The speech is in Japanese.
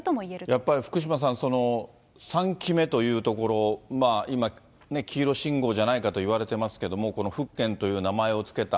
やっぱり福島さん、３期目というところ、今、黄色信号じゃないかといわれてますけれども、この福建という名前を付けた。